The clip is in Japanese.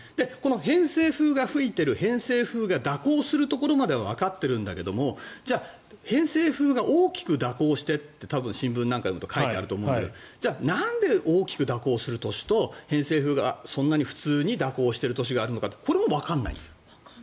偏西風が吹いている偏西風が蛇行するところまではわかってるんだけどじゃあ、偏西風が大きく蛇行してって新聞なんか読むと書いてあると思うんだけどじゃあ、なんで大きく蛇行する年と偏西風が普通に蛇行してる年があるのかってそうなんだ。